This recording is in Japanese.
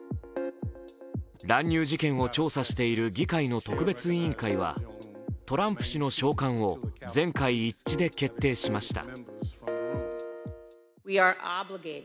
乱入事件を調査している議会の特別委員会はトランプ氏の召喚を全会一致で決定しました。